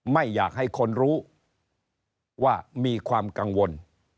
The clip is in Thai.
ไม่อยากให้คนรู้ว่ามีความกังวล